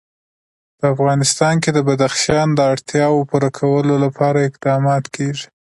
په افغانستان کې د بدخشان د اړتیاوو پوره کولو لپاره اقدامات کېږي.